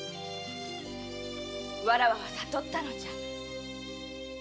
わらわは悟ったのじゃ。